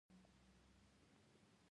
د سید او لودي کورنۍ واکمني وکړه.